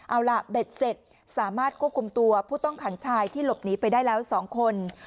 เอาล่ะเบ็ดเสร็จสามารถควบคุมตัวผู้ต้องขังชายที่หลบหนีไปได้แล้ว๒คน